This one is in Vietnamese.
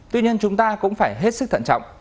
tuy nhiên chúng ta cũng phải hết sức thận trọng